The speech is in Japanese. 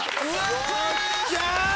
よっしゃ！